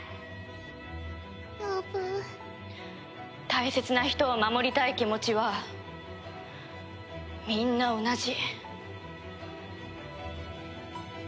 大切な人を守りたい気持ちはみんな同じ。